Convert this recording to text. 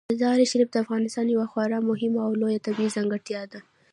مزارشریف د افغانستان یوه خورا مهمه او لویه طبیعي ځانګړتیا ده.